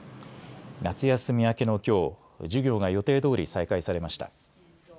夏休み明けのきょう授業が予定どおり再開されました。